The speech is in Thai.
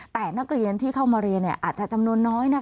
แต่นักเรียนที่เข้ามาเรียนอาจจะจำนวนน้อย